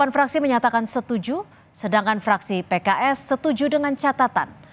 delapan fraksi menyatakan setuju sedangkan fraksi pks setuju dengan catatan